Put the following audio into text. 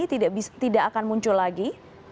tidak akan muncul lagi